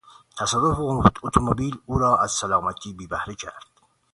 تصادف اتومبیل او را از سلامتی بیبهره کرد.